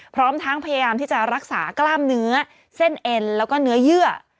พร้อมทั้งพยายามที่จะรักษากล้ามเนื้อเส้นเอ็นแล้วก็เนื้อเยื่อ